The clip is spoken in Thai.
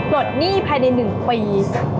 หนี้ภายใน๑ปี